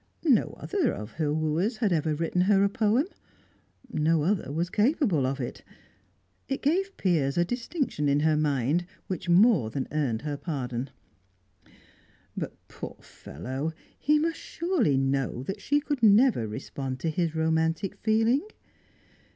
No other of her wooers had ever written her a poem; no other was capable of it. It gave Piers a distinction in her mind which more than earned her pardon. But poor fellow! he must surely know that she could never respond to his romantic feeling.